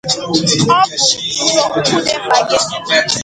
Ọ bụ nzọụkwụ dimkpa gị?